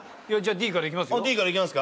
Ｄからいきますか？